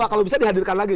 kalau bisa dihadirkan lagi